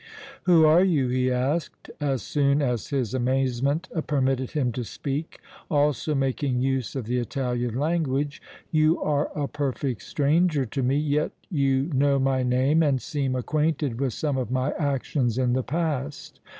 "Who are you?" he asked, as soon as his amazement permitted him to speak, also making use of the Italian language. "You are a perfect stranger to me, yet you know my name and seem acquainted with some of my actions in the past.